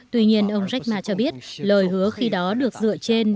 tuy nhiên ông jack ma cho biết lời hứa khi đó được dựa trên